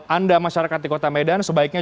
anda masyarakat di kota medan sebaiknya